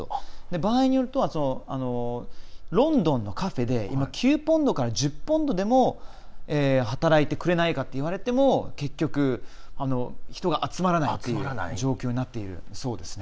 場合によるとロンドンのカフェで９ポンドから１０ポンドでも働いてくれないかって言われても結局、人が集まらない状況になっているそうですね。